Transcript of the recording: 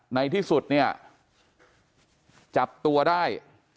ในที่สุดเนี่ยจับตัวได้